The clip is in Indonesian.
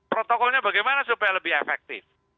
protokolnya bagaimana supaya lebih efektif